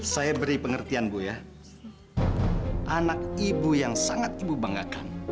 sampai akhirnya brake